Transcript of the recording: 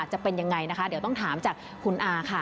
จะเป็นยังไงนะคะเดี๋ยวต้องถามจากคุณอาค่ะ